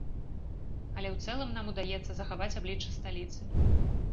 Але ў цэлым нам удаецца захаваць аблічча сталіцы.